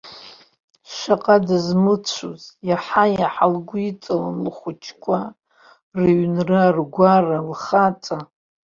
Шаҟа дызмыцәоз, иаҳа-иаҳа лгәы иҵалон лхәыҷқәа, рыҩны-ргәара, лхаҵа.